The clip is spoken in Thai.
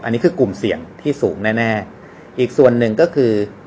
อันนี้คือกลุ่มเสี่ยงที่สูงแน่แน่อีกส่วนหนึ่งก็คือ